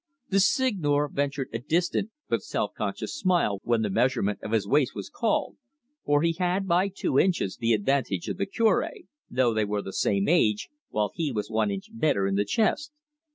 The Seigneur ventured a distant but self conscious smile when the measurement of his waist was called, for he had by two inches the advantage of the Cure, though they were the same age, while he was one inch better in the chest.